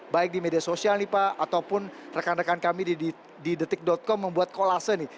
baik di media sosial nih pak ataupun rekan rekan kami di detik com membuat kolase nih